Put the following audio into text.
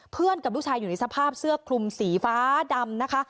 กับลูกชายอยู่ในสภาพเสื้อคลุมสีฟ้าดำนะคะ